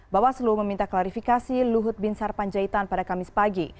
bawaslu meminta klarifikasi luhut bin sarpanjaitan pada kamis pagi